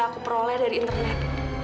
aku peroleh dari internet